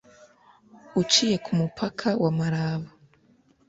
uciye ku mupaka wa Malaba